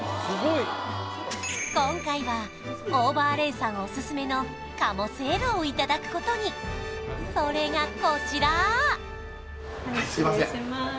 今回はＯＶＥＲＬＡＹさんオススメの鴨せいろをいただくことにそれがこちら失礼します